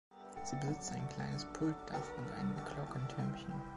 Sie besitzt ein kleines Pultdach und ein Glockentürmchen.